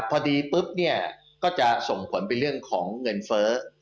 พอดีปุ๊บเนี่ยก็จะส่งผลไปเรื่องของเงินเฟ้อ